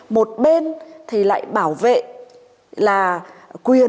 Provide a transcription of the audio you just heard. một bên thì lại bảo vệ là quyền